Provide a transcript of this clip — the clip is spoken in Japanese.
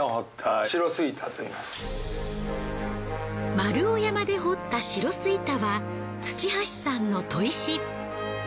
丸尾山で掘った白巣板は土橋さんの砥石。